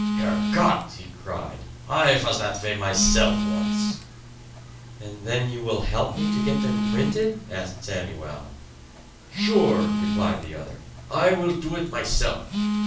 "Herr Gott!" he cried. "I vas that vay myself once!" "And then will you help me to get them printed?" asked Samuel. "Sure!" replied the other. "I will do it myself.